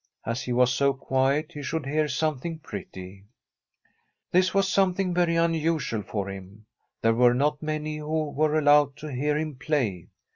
As he was so quiet be should hear something pretty. I37l tram a SWEDISH HOMESTEAD This was something very unusual for him. There were not many who were allowed to hear him play.